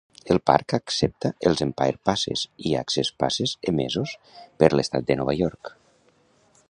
El parc accepta els Empire Passes i Access Passes emesos per l'estat de Nova York.